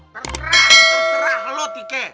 terserah terserah lu tika